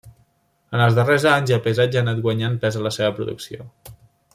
En els darrers anys, el paisatge ha anat guanyant pes a la seva producció.